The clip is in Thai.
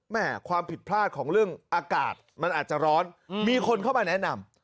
ความผิดพลาดของเรื่องอากาศมันอาจจะร้อนมีคนเข้ามาแนะนำ